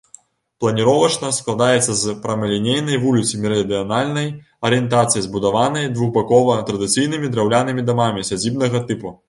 Планіровачна складаецца з прамалінейнай вуліцы мерыдыянальнай арыентацыі, забудаванай двухбакова традыцыйнымі драўлянымі дамамі сядзібнага тыпу.